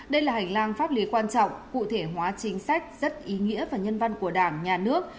đây là hành lang pháp lý quan trọng cụ thể hóa chính sách rất ý nghĩa và nhân văn của đảng nhà nước